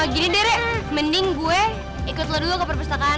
gini derek mending gue ikut lo dulu ke perpustakaan